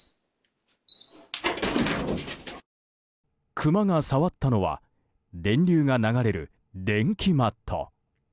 クマが触ったのは電流が流れる電気マット。